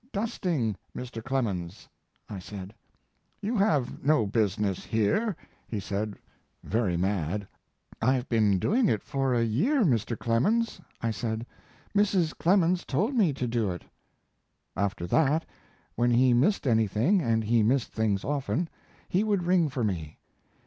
"Dusting, Mr. Clemens," I said. "You have no business here," he said, very mad. "I've been doing it for a year, Mr. Clemens," I said. "Mrs. Clemens told me to do it." After that, when he missed anything and he missed things often he would ring for me.